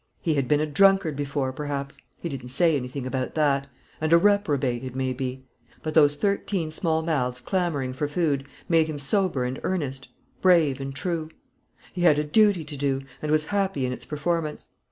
He had been a drunkard before, perhaps, he didn't say anything about that, and a reprobate, it may be; but those thirteen small mouths clamoring for food made him sober and earnest, brave and true. He had a duty to do, and was happy in its performance.